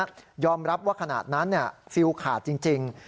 รู้สึกรับว่าขนาดนั้นฟิวขาดจริง